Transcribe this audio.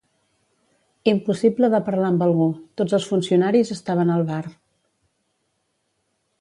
Impossible de parlar amb algú: tots els funcionaris estaven al bar.